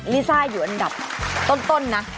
ลิซ่าอยู่อันดับต้นนะ